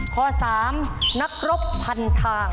ข้อ๓นักรบพันทาง